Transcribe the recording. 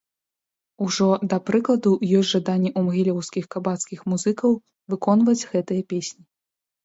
Ужо, да прыкладу, ёсць жаданне ў магілёўскіх кабацкіх музыкаў выконваць гэтыя песні.